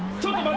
ちょっと待って。